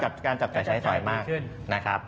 มีการจับจ่ายใช้สอยมาก